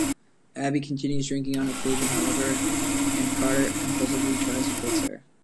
Abby continues drinking on occasion, however, and Carter compulsively tries to "fix" her.